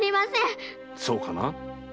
そうかな？